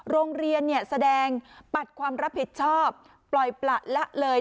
โรงเรียนแสดงปัดความรับผิดชอบปล่อยประละเลย